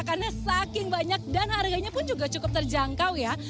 karena saking banyak dan harganya pun juga cukup terjangkau ya